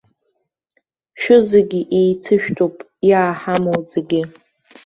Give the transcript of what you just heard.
Шәызегьы еицышәтәуп иааҳамоу зегьы.